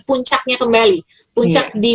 puncaknya kembali puncak di